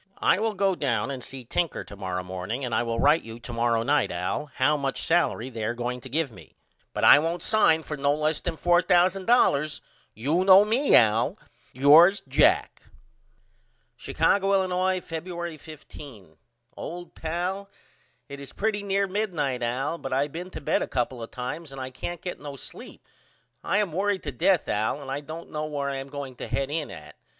I will go down and see Tinker to morrow morning and I will write you to morrow night Al how much salery they are going to give me. But I won't sign for no less than $4000. You know me Al. Yours, JACK. Chicago, Illinois, Febuery 15. OLD PAL: It is pretty near midnight Al but I been to bed a couple of times and I can't get no sleep. I am worried to death Al and I don't know where I am going to head in at.